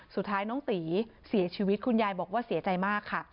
สุดท้ายน้องตีเสียชีวิตคุณยายบอกว่าเสียใจมากค่ะ